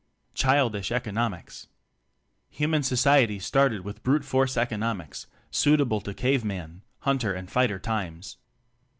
Childish Economics. Human society started with Brute force Economics, suitable to Cave man Hunter .and Fighter times.